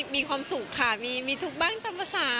มีความสุขค่ะมีทุกข์บ้างตามภาษา